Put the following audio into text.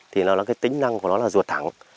thì nó là cái tính năng của nó là ruột thẳng